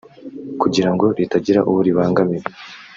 kugira ngo ritagira uwo ribangamira